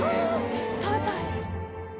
食べたい！